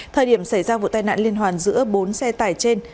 thời điểm xảy ra vụ tai nạn liên hoàn giữa bốn xe tải trên